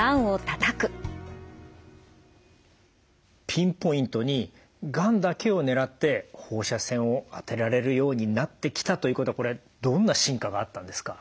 ピンポイントにがんだけを狙って放射線を当てられるようになってきたということはこれどんな進化があったんですか？